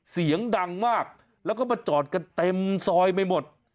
เสียงดังมากแล้วก็มาจอดกันเต็มซอยไปหมด